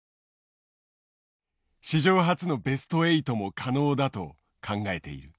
史上初のベスト８も可能だと考えている。